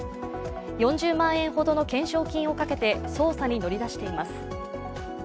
４０万円ほどの懸賞金をかけて捜査に乗り出しています。